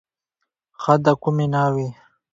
ښه د کومې ناوې.